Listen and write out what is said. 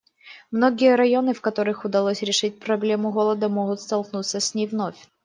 Многие районы, в которых удалось решить проблему голода, могут столкнуться с ней вновь.